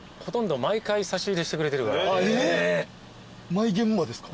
毎現場ですか？